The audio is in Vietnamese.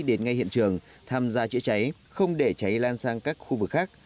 đến ngay hiện trường tham gia chữa cháy không để cháy lan sang các khu vực khác